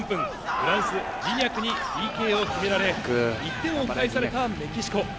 フランス、ジニャクにＰＫを決められ１点を返されたメキシコ。